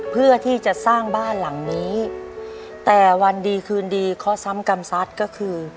เพื่อที่จะสร้างบ้านหลังนี้แต่วันดีคืนดีข้อซ้ำกรรมซัดก็คือ